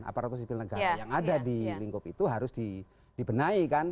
aparatur sipil negara yang ada di lingkup itu harus dibenahi kan